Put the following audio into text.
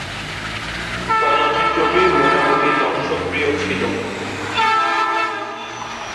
চলচ্চিত্রটি মোটামুটি দর্শকপ্রিয় ছিলো।